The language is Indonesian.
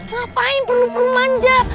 ngapain perlu perlu manjat